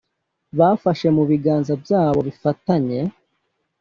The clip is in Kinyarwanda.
bafashe mu biganza byabo bifatanye;